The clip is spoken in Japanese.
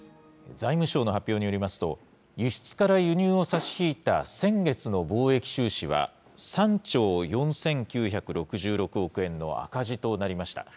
財務省の発表によりますと、輸出から輸入を差し引いた先月の貿易収支は、３兆４９６６億円の赤字となりました。